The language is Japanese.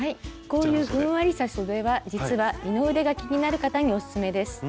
こういうふんわりしたそでは実は二の腕が気になる方におすすめです。